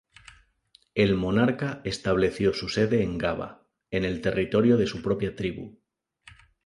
El monarca estableció su sede en Gaba, en el territorio de su propia tribu.